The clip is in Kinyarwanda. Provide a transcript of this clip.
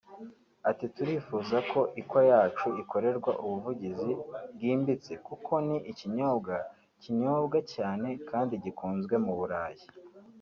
Ati “Turifuza ko ikwa yacu ikorerwa ubuvugizi bwimbitse kuko ni ikinyobwa kinyobwa cyane kandi gikunzwe mu Burayi